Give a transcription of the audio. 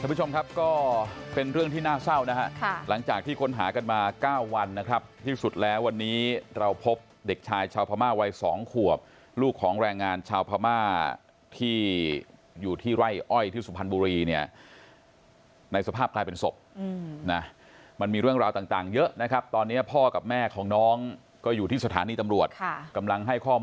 ท่านผู้ชมครับก็เป็นเรื่องที่น่าเศร้านะฮะหลังจากที่ค้นหากันมา๙วันนะครับที่สุดแล้ววันนี้เราพบเด็กชายชาวพม่าวัย๒ขวบลูกของแรงงานชาวพม่าที่อยู่ที่ไร่อ้อยที่สุพรรณบุรีเนี่ยในสภาพกลายเป็นศพนะมันมีเรื่องราวต่างเยอะนะครับตอนนี้พ่อกับแม่ของน้องก็อยู่ที่สถานีตำรวจกำลังให้ข้อมูล